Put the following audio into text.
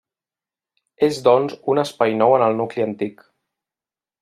És doncs un espai nou en el nucli antic.